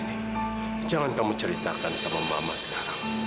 iya kak fadil gak kenapa napa